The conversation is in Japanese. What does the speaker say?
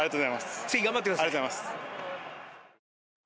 次頑張ってください。